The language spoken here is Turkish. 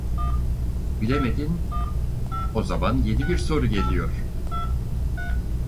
Bilemedin, o zaman yeni bir soru geliyor.